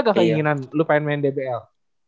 gak keinginan lu pengen main dbl